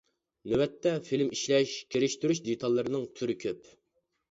نۆۋەتتە فىلىم ئىشلەش، كىرىشتۈرۈش دېتاللىرىنىڭ تۈرى كۆپ.